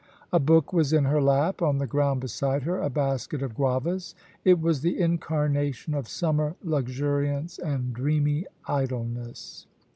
A book was in her lap, on the ground beside her a basket of guavas. It was the incarnation of summer luxuriance and dreamy idleness.